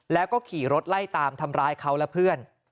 แล้วก็ขี่รถไล่ตามทำร้ายเขาและเพื่อน